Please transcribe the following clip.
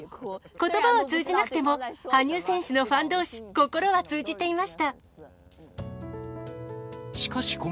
ことばは通じなくても、羽生選手のファンどうし、心は通じていましかし